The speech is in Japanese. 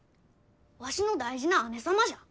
わしの大事な姉様じゃ。